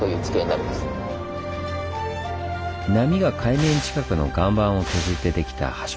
波が海面近くの岩盤を削ってできた波食台。